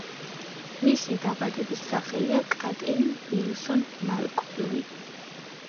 მისი დაბადების სახელია კატერინ ვილსონ მალკოლმი.